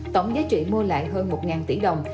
tổng giá trị mua lại hơn một tỷ đồng